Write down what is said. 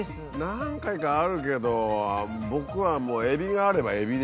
何回かあるけど僕はもうエビがあればエビでいいですね。